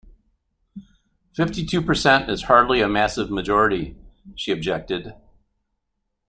Fifty-two percent is hardly a massive majority, she objected